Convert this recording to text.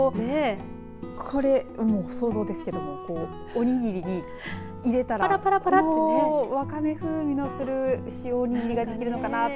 これ、想像ですけどおにぎりに入れたらわかめ風味のする塩おにぎりができるのかなと。